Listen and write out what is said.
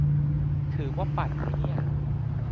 ถือว่าปั่นไหมเนี่ย ?